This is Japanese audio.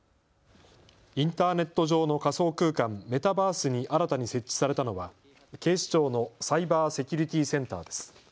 インターネット上の仮想空間、メタバースに新たに設置されたのは警視庁のサイバーセキュリティセンターです。